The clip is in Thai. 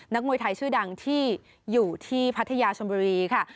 มวยไทยชื่อดังที่อยู่ที่พัทยาชนบุรีค่ะ